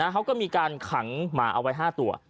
เขาก็มีการขังหมาเอาไว้๕ตัว